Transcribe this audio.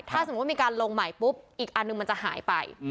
ถ้าสมมุติว่ามีการลงใหม่ปุ๊บอีกอันหนึ่งมันจะหายไป